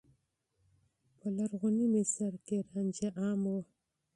په لرغوني مصر کې رانجه عام و.